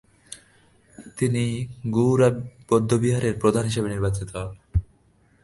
তিনি গু-রা বৌদ্ধবিহারের প্রধান হিসেবে নির্বাচিত হন।